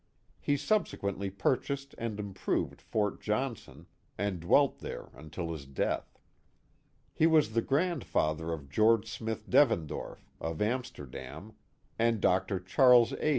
He subsequently purchased and improved Fort Johnson, and dwelt there until his death. He was the grandfather of George Smith Devendorf, of Amsterdam, and Dr. Charles A.